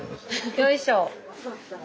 よいしょ。